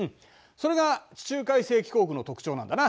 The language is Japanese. それが地中海性気候区の特徴なんだな。